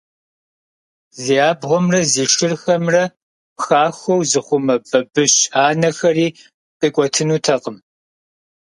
Зи абгъуэмрэ зи шырхэмрэ «хахуэу» зыхъумэ бабыщ анэхэри къикӀуэтынутэкъым.